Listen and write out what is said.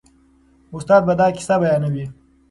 استاد به دا کیسه بیانوي.